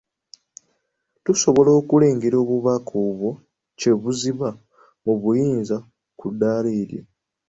Tusobole okulengera obubaka obwo kye buzimba mu bayizi ku ddaala eryo.